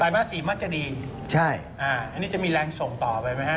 ไตรมาส๔มักจะดีอันนี้จะมีแรงส่งต่อไปไหมครับ